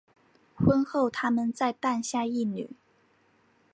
婚后他们再诞下一女。